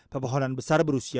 pepohonan besar berusaha